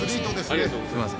ありがとうございます。